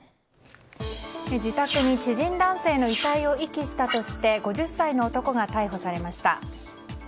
自宅に知人男性の遺体を遺棄したとして５０歳の男が逮捕されました。